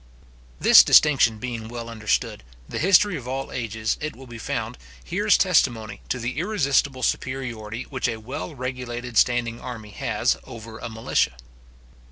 This distinction being well understood, the history of all ages, it will be found, hears testimony to the irresistible superiority which a well regulated standing army has over a militia.